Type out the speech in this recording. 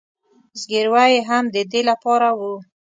زګیروي یې هم د دې له پاره و.